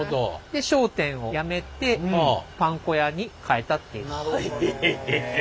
で商店をやめてパン粉屋に変えたっていう。